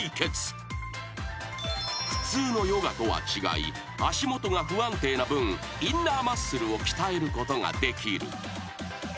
［普通のヨガとは違い足元が不安定な分インナーマッスルを鍛えることができる］